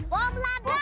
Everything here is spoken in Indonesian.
sekali dua bos